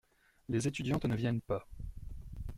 Les étudiantes ne viennent pas.